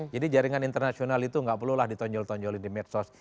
jadi jaringan internasional itu tidak perlulah ditonjol tonjol di medsos